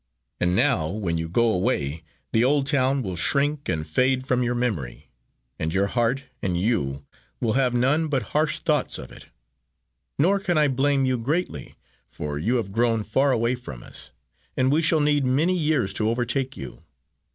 And now, when you go away, the old town will shrink and fade from your memory and your heart and you will have none but harsh thoughts of it; nor can I blame you greatly, for you have grown far away from us, and we shall need many years to overtake you.